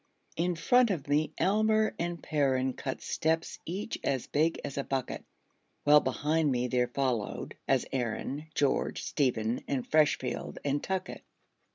In front of me Almer and Perren Cut steps, each as big as a bucket; While behind me there followed, as Herren, George, Stephen, and Freshfield, and Tuckett.